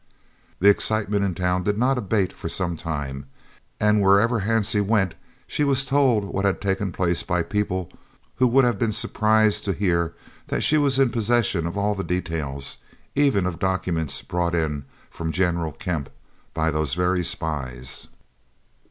The excitement in town did not abate for some time, and wherever Hansie went she was told what had taken place by people who would have been surprised indeed to hear that she was in possession of all the details, and even of documents brought in from General Kemp by those very spies.